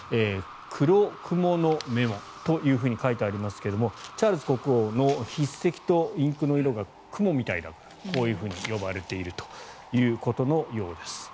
黒クモのメモと書いてありますがチャールズ国王の筆跡とインクの色がクモみたいだったのでこう呼ばれているということのようです。